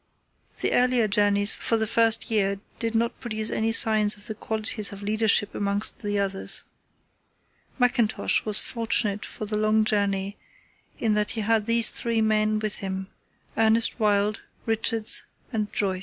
The earlier journeys for the first year did not produce any sign of the qualities of leadership amongst the others. Mackintosh was fortunate for the long journey in that he had these three men with him: Ernest Wild, Richards, and Joyce.